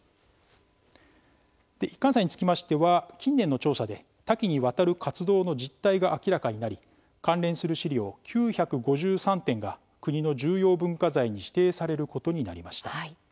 一貫斎につきましては近年の調査で多岐にわたる活動の実態が明らかになり関連する史料９５３点が国の重要文化財に指定されることになりました。